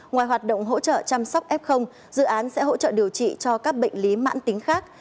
ngoài hoạt động hỗ trợ chăm sóc f dự án sẽ hỗ trợ điều trị cho các bệnh lý mãn tính khác